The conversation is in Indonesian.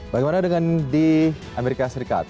bagaimana dengan di amerika serikat